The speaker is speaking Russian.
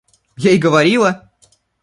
Я и говорила!